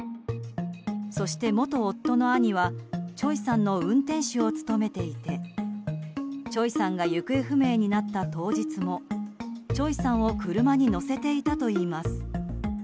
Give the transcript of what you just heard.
そして、元夫の兄はチョイさんの運転手を務めていてチョイさんが行方不明になった当日もチョイさんを車に乗せていたといいます。